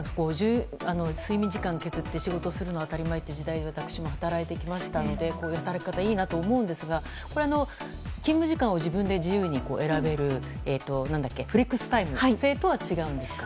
睡眠時間を削って仕事するのが当たり前という時代に私も働いてきましたのでこういう働き方はいいなと思うんですが勤務時間を自由に自分で選べるフレックスタイム制とは違うんですか？